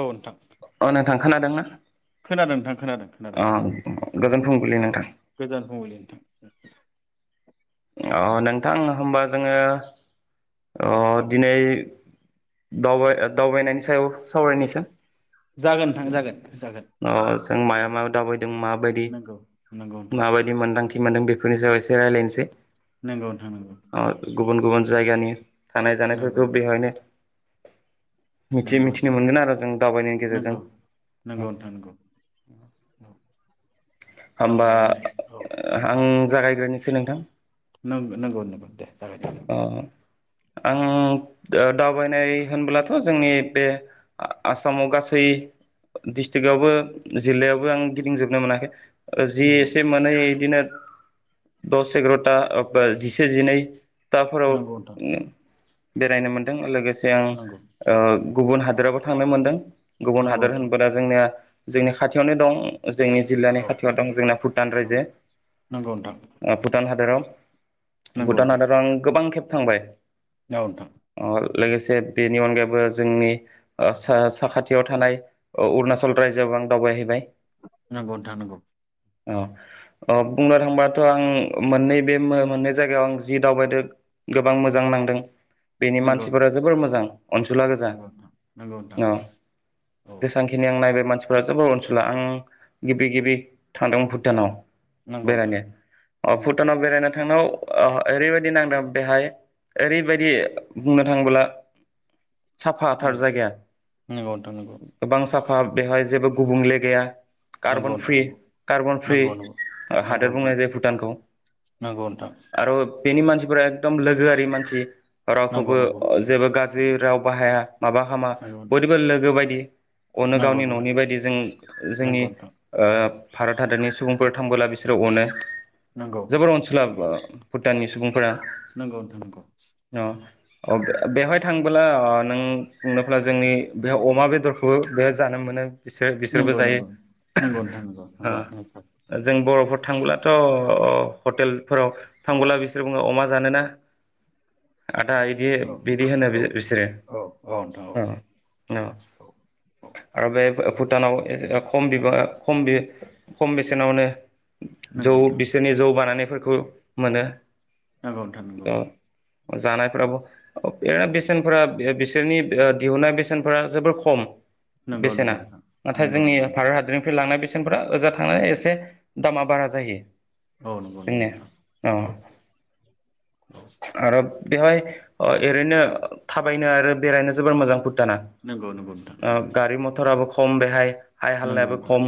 औ नोंथां। अ नोंथां खोनादोंना। खोनादों नोंथां खोनादों अ खोनादों गोजोन फुंबिलि औ नोंथां गोजोन फुबिलि नोंथां। अ' नोंथां होम्बा जोङो औ अ' दिनै दावबाय ओ दावबायनायनि सायाव सावरायनोसै। जागोन नोंथां जागोन। जागोन अ जों माया जागोन मायाव दावाबायदों माबायदि नंगौ नंगौ नोंथां माबायदि मोनदांथि जि मोन्दों बेफोरनि सायाव एसे रायलायनोसै। नंगौ नोंथां अ गुबुन गुबुन जायगानि थानाय नंगौ नंगौ जानायफोरखौ बेहायनो मिथि नंगौ मिथिनो नोंथां मोनगोन आर' जों दावबायनायनि नंगौ गेजेरजों। नंगौ नोंथां नंगौ औ। होमबा दावबायनाय आं जागायग्रोनिसै नोंथां। नों-नोंगौ नोंगौ दे जा अ' आं दो-दावबायनाय होनब्लाथ' जोंनि बे आ-आसामाव गासै डिसटिकआवबो जिल्लायावबो आं गिदिंजोबनो मोनाखै। ओ जि नंगौ एसे मोनै इदिनो। दस एग्रथा ओब्बा जिसे जिनै। टाफोराव नंगौ नोंथां [unintelligible] बेरायनो मोन्दों लोगो जों नंगौ ओ गुबुन हादोरावबो थांनो मोनदों। गुबुन नंगौ हादोर नोंथां होनबोला जोंना जोंनि खाथियावनो दं। ओ जोंनि जिल्लानि औ खाथियाव दं जोंना भुटान नंगौ रायजो ओ भुटान हादोराव। नोंगौ नोंथां। गोबां खेब थांबाय। औ नोंथां। लोगोसे बेनि अनगायैबो जोंनि ओ सा-साखाथियाव थानाय ओ अरुणाचल रायजोआवबो आं दावबायहैबाय। नोंगौ नोंथां नोंगौ। अ अ बुंनो थांबाथ' आं मोननै बे मो-मोननै जायगायाव आं जि दावबायदो गोबां मोजां नांदों। बेनि नंगौ नोंथां मानसिफोरा जोबोर मोजां अनसुला गोजा नंगौ नोंथां नंगौ नोंथां अ' औ जेसांखिनि आं नायबाय मानसि फोरा जोबोर ओनसुला आं गिबि गिबि थांदों भुटानाव। नंगौ नोंथां बेरायनो अ नंगौ भुटानाव बेराय थानाव ओ ओरैबायदि नांदों बेहाय ओरैबायदि बुंनो थाङोब्ला उम साफाथार जायगाया नंगौ नोंथां नंगौ गोबां साफ [unintelligible] बेहाय जेबो गुबुंले गैया। नंगौ कार्बन फि कार्बन फ्रि नोंथां हादोर नंगौ नंगौ बुंनाय जायो भुटानखौ आर' बेनि मानसिफोरा एकदम लोगोआरि मानसि। नंगौ नंगौ रावखौबो जेबो जि राव बाहाया। माबा हामा नोंथां बयदोबो लोगो बायदि अनो नंगौ गावनि ननि नोंथां बायदि जों नंगौ जोंनि नंगौ नोंथां ओ भारत हादरनि सुबुंफोर थांबोला बिसोरो अनो। नंगौ जोबोर अनसुला [unintelligible] टाननि सुबुंफोरा नोंगौ नोंथां नंगौ अ बे-बेवहाय थांबो ब्ला अ नों बुंनोफ्ला जोंनि बेयाव अमा बेदरखौबो बेहाय जानो मोनो। बिसोर बिसोरबो नंगौ जायो नोंथां [unintelligible] नंगौ नंगौ नोंथां नंगौ नोंथां नंगौ ओ जों बर'फोर थांब्लाथ' हटेलफोराव थांबोला बिसोर बुङो अमा जानोना? आदा इदि बिदि होनो औ बि-बिसोरो औ औ नोंथां औ औ आरो बे भुटानाव [unintelligible] खम बिबां खम बे खम बेसेनावनो जौ नंगौ नोंथां बिसोरनि जौ बाना फोरखौ मोनो नोंगौ नोंथां नोंगौ जानायफोराबो ओ बेसेनफोरा बे-बिसोरनि ओ दिहुननाय बेसेनफोरा जोबोर खम। नंगौ नंगौ बेसेना नोंथां नाथाय नंगौ जोंनि नंगौ नोंथां भारत हादरनिफ्राय लांनाय बेसेन [unintelligible] ओजा थांना एसे दामा बारा जायो। औ नोंगौ नोंगौ नोंथां। [inaudible] औ औ आरोब बेवहाय ओ एरैनो थाबायनो आरो बेरायनो जोबोर मोजां भु थाना नंगौ नंगौ नोंथां ओ नंगौ गारि मथर आबो ख खम बेहाय हाय नंगौ हालायाबो नोंथां खम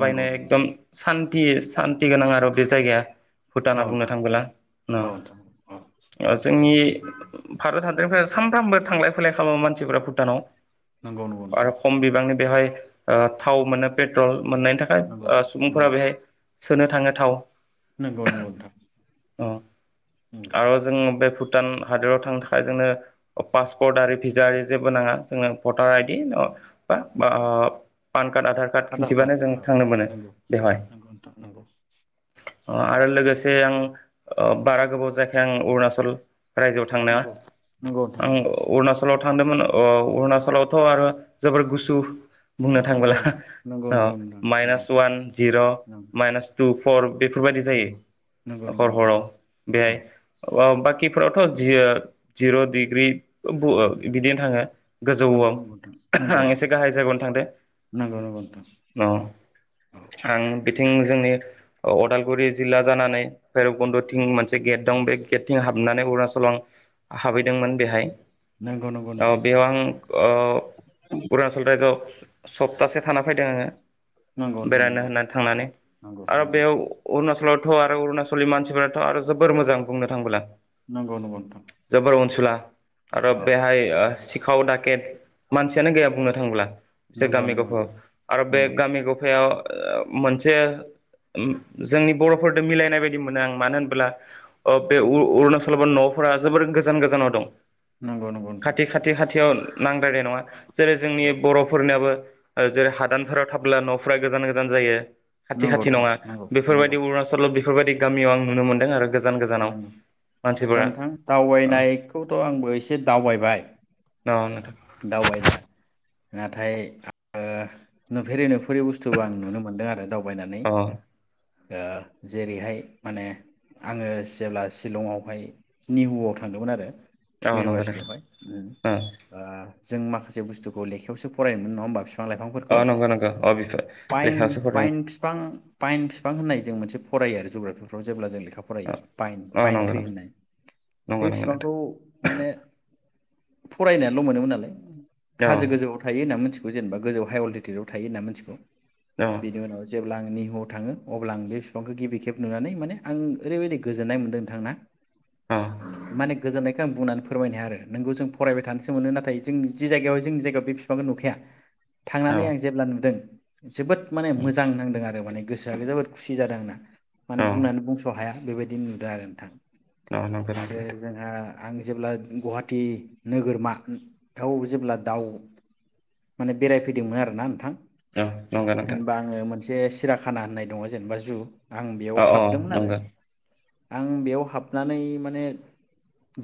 नंगौ नंगौ एकदम सान थि सान्ति गोनां आरो बे जायगाया औ भुटाना बुंनो नोंथां थांबोला औ नोंथां औ न' जोंनि भारत हादरनिफ्राय सामफ्रामबो थांलाय फैलाय खामो मानसिफोरा भुटानाव। नंगौ नंगौ नोंथां आरो खम बिबांनि बेवहाय ओ थाव मोनो पेट्रल मोननायनि थाखाय नंगौ ओ सुबुंफोरा नंगौ बेहाय सोनो थाङो थाव नोंगौ नोंगौ नोंथां औ नंगौ आरो जों बे फुट भुटान हादोराव थांनो थाखाय जोंनो पासपर्ट आरि भिजा ओरि जेबो नाङा जों भटार आइडि बा पान आधार कार्ड खिन्थिबानो जों थांनो मोनो बेवहाय नंगौ नोंथां नंगौ आरो लोगोसे आं बारा गोबाव जायाखै आं अरुणाचल रायजोआव थांनाङा नंगौ नंगौ नोंथां नंगौ आं अरुणाचलाव थादोंमोन औ अुणाचलावथ' आरो जोबोर गुसु बुंनो थांबोला नंगौ ओ नंगौ माइनास वान जिर' माइनास टु फर बेफोरबायादि नंगौ जायो हर नोंथां हराव बेहाय ओ बाखिफोरावथ' जिर' डिग्रि बिदिनो थाङो नंगौ नंगौ गोजौआव नोंथां औ आं एसे गाहाय जायगायावनो थांदो नंगौ अ आं बिथिं जोंनि अदालगुरि जिल्ला जानानै भैरबकुन्द थिं मोनसे गेट दं बे गेटथिं हाबनानै अरुणाचलाव हाबहैदोंमोन बेहाय नंगौ नोंथां बेयाव आं उरणाचल रायजोआव सप्तासे थाना फैदों आङो नंगौ नंगौ नोंथां औ नंगौ नोंथां नंगौ नोंथां नंगौ बेरायनो होननानै थांनानै आरो बेयाव नंगौ अरुणाचलाव गथ' आरो अरुणचलि मानसिफोराथ' आरो जोबोर मोजां बुंनो थांबोला नंगौ नंगौ जोबोर अनसुला आरो नोंथां औ बेहाय सिखाव डाकेट मानसियानो गैया बुंनो थाङोब्ला बे नंगौ गामि नंगौ नोंथां गफा आरो बे नंगौ गामि गफायाव ओ मोनसे जोंनि बर'फोरजों मिलायनाय बायदि मोनो आं मानो होनबोला अ बे अरुणाचल न'फोरा जोबोर गोजान गोजानाव दं नंगौ नंगौ नोंथां खाथि खाथि खाथियाव नांद्रानाय नङा जेरै जोंनि औ बर'फोरनियाबो ओ जेरै हादानफोराव थाब्ला न'फोरा गोजान गोजान जायो खाथि नंगौ खाथि नोंथां नङा नंगौ नंगौ बेफोरबायदि अरुणाचल बेफोरबायदि गामियाव आं नुनो मोनदों आरो गो औ आदसा नोंथां औ दावबायनायखौथ' आंबो एसे दावबायबाय नोंथां दावबायनाया नाथाय ओ नुफेरै नुफेरै बुस्थुखौ आं नुनो मोनदों आरो दाव बायनानै अ ओ जेरैहाय माने आङो जेब्ला शिलंआवहाय निहुआव थांदोंमोन आरो थां नोंगौ इउनिभारसिटियावहाय नोंथां अ ओ जों माखासे बुस्थुखौे लेखायावसो फरायनो मोनोमोन नङा होमबा बिफां अ लाइफांफोरखौ नंगौ नंगौ अ बिफोर पाइन लेखायावसो फरायदों पाइन फिफां पाइन बिफां होननाय जों मोनसे फरायो जुग्राफिफ्राव जेब्ला जों [unintelligible] अ फरायो पाइन अ पाइन नंगौ थ्रि होननाय । नंगौ बे नंगौ नंगौ नोंथां बिफांखौ माने फरायनाय ल' मोनोमोन नालाय औ हाजो गोजौआव थायो ना मोनथि बिखौ जेनेबा गोजौ हाइ [unintelligible] थायो ना मिथिगौ। औ बिनि उनाव जेब्ला आंनि बाव थाङो अब्ला आं बे बिफांखौ गिबि खेब नुनानै माने आं ओरैबायदि गोजोन्नाय मोनदों नोंथांना औ माने गोजोननाय खौ आं बुंनानै फोरमायनो हाया आरो नोंगौ जों फरायबाय थानोसै मोनो नाथाय जों जि जायगायावहाय जोंनि जायगायाव बे बिफांखौ नुखाया औ थांनानै आं जेब्ला नुदों जोबोद माने उम मोजां नांदों आरो माने गोसोआ जबोर खुसि जादों आंना माने औ बुंनानै बुंस' हाया बेबायदि नुदों आरो नोंथां औ नंगौ नंगौ आरो नोंथां जोंहा आं जेब्ला गुवाहाटि नोगोरमा दाउ जेब्ला दाउ माने बेरायफैदोंमोन आरोना नोंथां औ नंगौ नोंथां होनबा आङो मोनसे चिराख खाना होननाय दङ जेनेबा जु आं बेयाव अ अ हाबदोंमोन आरो नंगौ आं बेयाव हाबनानै माने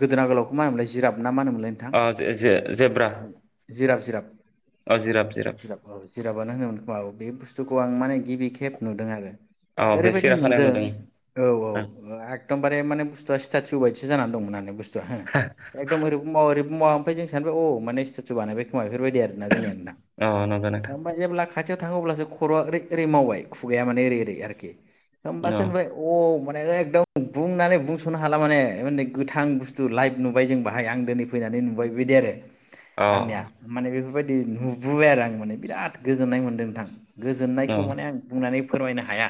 गोदोना गोलावखौ मा होनोमलाय जिराफ ना मानोमोनलाय नोंथां अ जे जे जेब्रा [unintelligible] अ जिराब जिराब बुस्थुखौ आं माने गिबि खेब नुदों आरो अ बे ओरैबायदि सिराखानायाव नुदों औ औ अ एकदमबारे माने बुस्थुआ स्टार्ट टिउ बाय [unintelligible] [unintelligible] [unintelligible] [unintelligible] [inaudible] खाथियाव नंगौ नोंथां थाङो अब्लासो खर'आ ओरै ओरै मावबाय खुगाया माने ओरै ओरै आरोखि ओमबासो अ ओनबाय अ एकदम बुंनानै बुंस'नो हाला माने गोथां बुस्थु लाइभ नुबाय जों बाहाय आं दोनै फैनानै नुबाय बिदि आरो अ औ आंनिया माने बे बु बेफोरबायदि नुबोबाय आरो आं माने बिराद गोजोननाय मोन्दों नोंथां। औ गोजोननायखौ माने आं बुंनानै फोरमायनो हाया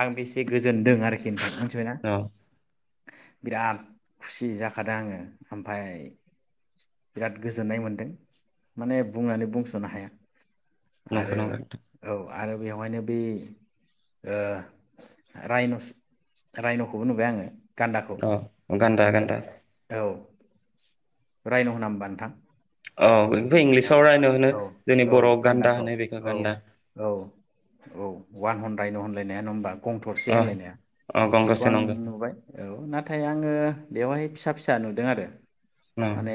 आं बेसे गोजोन दों आरखि नोंथां मिथिबायना बिराद खुसि जाखादो आङो ओमफाय बिराद गोजोननाय मोनदों माने बुंनानै बुंस'नो हाया। नंगौ आरो नंगौ औ आरो बेवहायनो बि ओ रायनस-रायन'खौबो नुबाय आङो गान्दाखौ अ गान्दा गान्दा [unintelligible] रायन'होना होमबा नोंथां? औ औ इंलिसाव रायन' होनो औ जोंनि औ बर'आव गान्दा गान्दाखौ होनो बेखौ गान्दा। अवान हान राइन होनलायनाया नङा ओमबा गं थरसे अ होनलायनाया अ बेखौ गंगासे आं नंगौ नुबाय औ नाथाय आङो बेवहाय फिसा फिसा नुदों आरो औ माने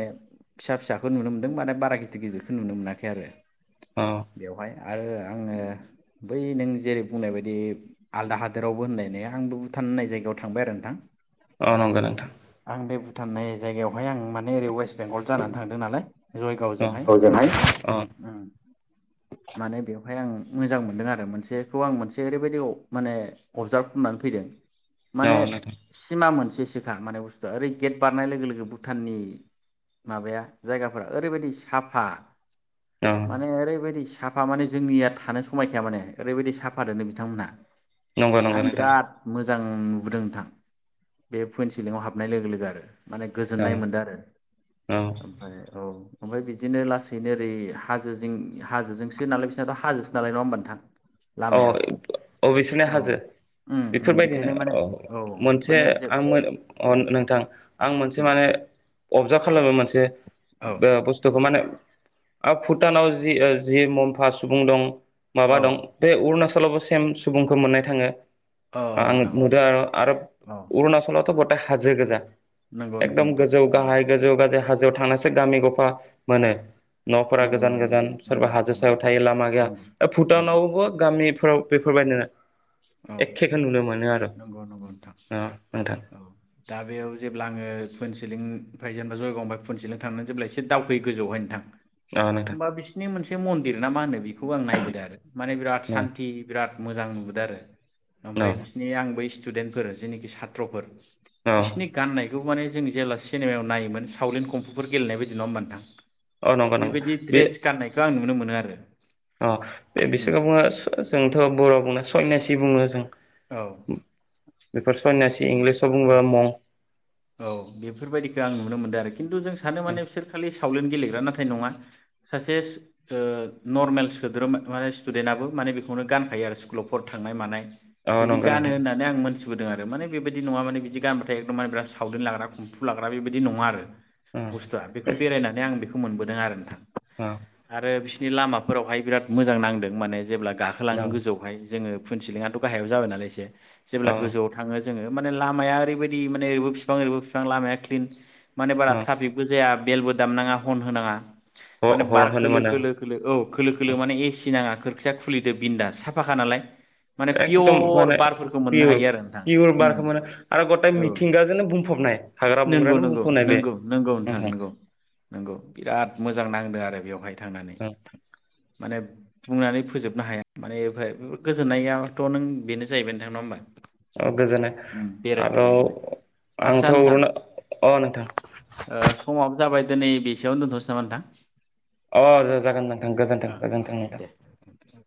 फिसा फिसा खौ नुनो मोनदों माने बारा गिदिर गिदिरखौ नुनो मोनाखै आरो बेवहाय आरो आङो बै नों जेरै बुंनाय बायदि आलदा हादोरावबो होनलायनाया आंबो भुटान होननाय जायगायाव थांबाय आरो नोंथां। अ नंगौ नोंथां थांनाय जायगायावहाय आं माने ओरै अवेस्ट बेंगल जानानै थांदों नालायश जयगाव औ जोंहाय औ फुनसिलिं उम उम माने बेवहाय आं मोजां मोनदों आरो मोनसेखौ आं मोनसे ओरैबायदि माने अबजार्भ खालामनानै फैदों माने नोंथां सिमा मोनस [unintelligible] माने बुसथु आ ओरै गेट बारनाय लोगो लोगो भुटाननि माबाया जायगा फोरा ओरैबायदि साफा औ माने ओरै बायदि साफा माने जोंनिया थानो समायखाया माने ओरैबायदि साफा दोननो बिथांमोनहा। नंगौ नंगौ आं नोंथां बिराद मोज मोजां नुबोदों नोंथां बे पुइन्ट सिलिंआव हाबनाय लोगो लोगो आरो माने औ गोजोननाय मोनदों आरो औ ओमफ्राय औ ओमफ्राय बिदिनो लासैनो ओरै हाजो जिं हाजोजोंसो नालाय बिसनाथ' हाजोसो नालाय नङा होमबा नोंथां। औ लामाया अ बिसिनि औ हाजो उम उम बेफोरबायदिनो बेखायनो माने औ मोनसे माने जे आं अ नोंथां आं मोनसे उम माने अबजार्भ खालामो मोनसे ओ औ बुस्थुखौ माने ओ भुटानाव जि ओ जि मम्फा सुबुं दं माबा औ दं उरणाचलावबो सेम सुबुंखौ मोननाय थाङो। औ आं नोंथां नुदों आरो आरो औ उरणाचलावथ' हाजो गोजा नंगौ नंगौ एकदम नोंथां गोजौ नंगौ गाहाय गोजौ गाजौ हाजो गोजौआव थांनासो गामि गफा मोनो। न'फोरा नंगौ गोजान नंगौ गोजान नोंथां नंगौ सोरबा हाजो सायाव नंगौ थायो लामा गैया नंगौ नंगौ भुटानावबो गामिफोराव बेफोरबायदिनो औ एखेखौ नुनो मोनो आरो नंगौ नंगौ नोंथां। अ नोंथां औ दा बेयाव जेब्ला आङो कन्सिलिं ओमफ्राय जेनबा जयगंब फनसेल थांनो जेब्ला एसे दावखोयो गोजौआवहाय नोंथां। अ नोंथां होमबा बिसिनि मोनसे म लिर ना मा होनो बि खौ आं नायबोदों आरो माने बिराद अ सान्थि बिराद मोजां नुबोदो आरो। ओमफाय बिसिनि आं बै स्टुदेन्टफोर जेनिखि सात्र'फोर अ बिसनि गाननाय बेखौ माने जों जेब्ला सिनेमायाव नायोमोन सावलेन कमफुफोर गेलेनाय बायदि नङा होनबा नोंथां अ नंगौ नंगौ बेबायदि बे ड्रेस गाननायखौ आं नुनो मोनो आरो। अ बे उम बिसोरखौ बुङो जो-जोंथ' बर'आ बुंनाय सयनासि बुङो जों औ। बेफोर सन्यासि इंलिसाव बुङोबा औ मंक। औ बेफोरबायदिखो आं नुनो मोन्दों आरोखि। खिन्थु जों सानो माने बिसोर खालि सावलेन्ड गेलेग्रा नाथाय नङा। सासे ओ नर्मेल सोद्रोमा मे स्टुदेन्टआबो माने बेखौनो गानखायो आरो स्कुलावफोर थांनाय मानाय अ बिदि नंगौ गानो नोंथां होननानै आं मोन्थिबोदों आरो माने बेबायदि नङा माने बिदि गानबाथाय एकदम माने ब्रास थावलेन लाग्रा कुम्फु लाग्रा बेबायदि नङा आरो। अ बुस्थुआ बेखो अ बेरायनानै आं बेखो खौ मोनबोदों आरो नोंथां। आरो बिस नि लामाफोरावहाय बिराद मोजां नांदों माने जेब्ला गाखोलाङो अ गोजौआवहाय जोङो फुन सिलिङाथ' गाहायाव जाबाय नालाय एसे जेब्ला गोजौआव थाङो जोङो माने लामाया ओरैबायदि माने ओबो फि बिफां ओरैबो बिफां लामाया क्लिन माने बारा अ ट्राफिकबो जाया। बेलबो दामनाङा हन होनाङा। अ माने बार हरन होनो खोलो मोनो खोलो खोलो औ खोलो खोलो माने एसि नाङा। खोरखिया खुलिदो बिन्दास साफाखा नालाय। माने एकदम पियर माने बारफोरखौ मोननो पियर हायो आरो नोंथां पियर बारखौ माने आरो गताय मिथिंगा जोंनो बुं नोंगौ नोंगौ नोंगौ नोंगौ नोंथां नोंगौ नोंगौ बिराद मोजां नांदों आरो बेवहाय थांनानै नोंथां। माने बुंनानै फोजोबनो हाया माने बे गोजोननायाथ' नों बेनो जाहैबाय नोंथां नङा ओमबा। औ गोजोननाय मोननाय [unintelligible] आदसा आंथ' नोंथां अरुनो अ नोंथां। ओ समाबो जाबाय दिनै बेसेयावनो दोनथ'सै नामा नोंथां। अ जागोन नोंथां गोजोनथों ओ ओ गोजोनथों नोंथां। दे